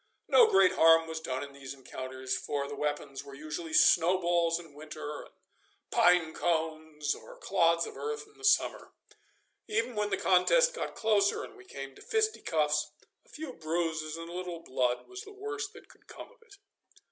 No great harm was done in these encounters, for the weapons were usually snowballs in winter and pine cones or clods of earth in the summer. Even when the contest got closer and we came to fisticuffs, a few bruises and a little blood was the worst that could come of it.